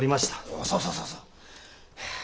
おそうそうそうそう。